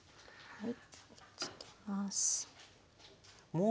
はい。